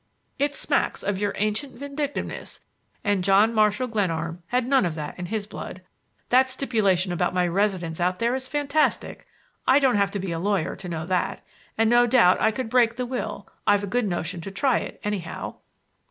It smacks of your ancient vindictiveness, and John Marshall Glenarm had none of that in his blood. That stipulation about my residence out there is fantastic. I don't have to be a lawyer to know that; and no doubt I could break the will; I've a good notion to try it, anyhow."